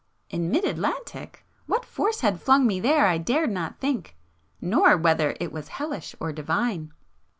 In mid Atlantic! What force had flung me there I dared not think, ... nor whether it was hellish or divine.